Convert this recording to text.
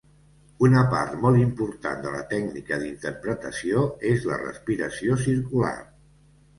Una part molt important de la tècnica d'interpretació és la respiració circular.